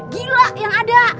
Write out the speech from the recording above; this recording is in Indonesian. gila yang ada